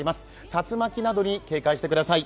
竜巻などに警戒してください。